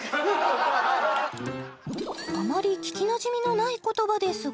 あまり聞きなじみのない言葉ですが